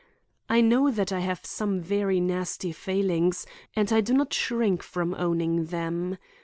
I know that I have some very nasty failings and I do not shrink from owning them.